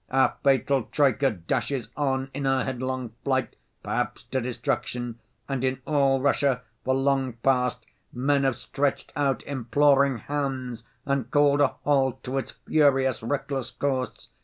Our fatal troika dashes on in her headlong flight perhaps to destruction and in all Russia for long past men have stretched out imploring hands and called a halt to its furious reckless course.